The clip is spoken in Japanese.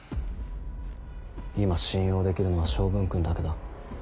今信用できるのは昌文君だけだ。